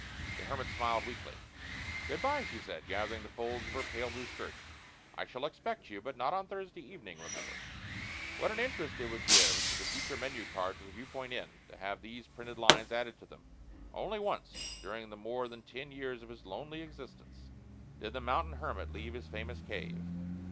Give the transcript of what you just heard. The hermit smiled weakly. "Good bye," she said, gathering the folds of her pale blue skirt. "I shall expect you. But not on Thursday evening, remember." What an interest it would give to the future menu cards of the Viewpoint Inn to have these printed lines added to them: "Only once during the more than ten years of his lonely existence did the mountain hermit leave his famous cave.